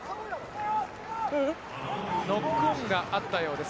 ノックオンがあったようです。